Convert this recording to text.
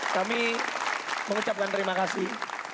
kami mengucapkan terima kasih